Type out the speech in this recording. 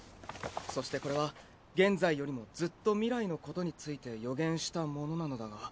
そしてこれは現在よりもずっと未来のことについて予言したものなのだが。